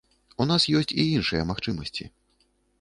У нас ёсць і іншыя магчымасці.